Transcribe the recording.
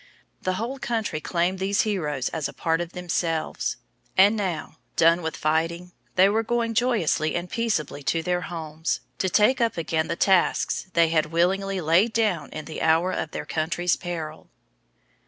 The whole country claimed these heroes as a part of themselves. And now, done with fighting, they were going joyously and peaceably to their homes, to take up again the tasks they had willingly laid down in the hour of their country's peril.